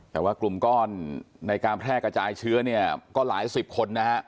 แต่ว่ากลุ่มก้อนในการแพร่กระจายเชื้อเนี่ยก็หลายสิบคนนะฮะ